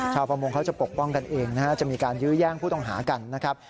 ประมงเขาจะปกป้องกันเองนะฮะจะมีการยื้อแย่งผู้ต้องหากันนะครับ